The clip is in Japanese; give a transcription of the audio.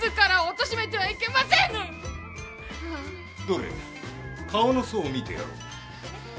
どれ顔の相を見てやろう。